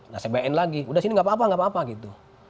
nah saya band lagi udah sini gak apa apa nggak apa apa gitu